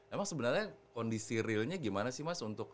emang sebenarnya kondisi realnya gimana sih mas untuk